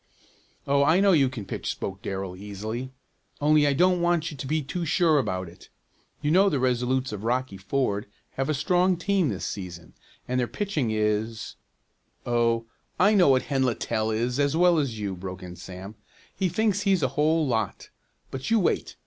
"Oh, I know you can pitch," spoke Darrell easily, "only I don't want you to be too sure about it. You know the Resolutes of Rocky Ford have a strong team this season, and their pitcher is " "Oh, I know what Hen Littell is as well as you," broke in Sam. "He thinks he's a whole lot, but you wait.